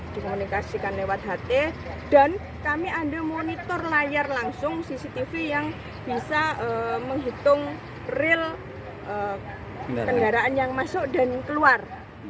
dikomunikasikan lewat ht dan kami ambil monitor layar langsung cctv yang bisa menghitung real kendaraan yang masuk dan keluar